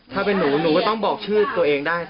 ถ้าเป็นหนูหนูก็ต้องบอกชื่อตัวเองได้